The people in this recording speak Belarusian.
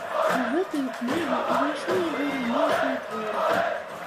У гэтую кнігу ўвайшлі яго ранейшыя творы.